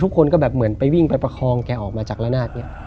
ทุกคนก็เหมือนไปวิ่งแบบประคองออกมาจากระนาจ